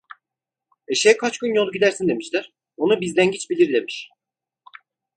Eşeğe kaç gün yol gidersin demişler; onu bizlengiç bilir demiş.